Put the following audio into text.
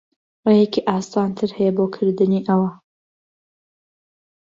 ڕێیەکی ئاسانتر ھەیە بۆ کردنی ئەوە.